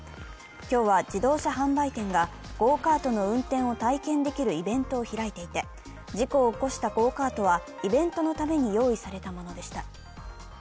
今日は、自動車販売店がゴーカートの運転を体験できるイベントを開いていて、事故を起こしたゴーカートはイベントのために用意されたものでした。